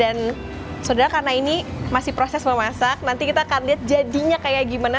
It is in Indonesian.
dan saudara karena ini masih proses mau masak nanti kita akan lihat jadinya kayak gimana